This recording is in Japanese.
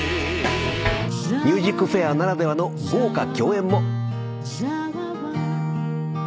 『ＭＵＳＩＣＦＡＩＲ』ならではの豪華共演も。